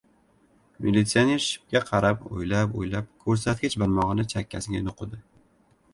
Militsioner shipga qarab o‘ylab-o‘ylab, ko‘rsatkich barmog‘ini chakkasiga nuqidi.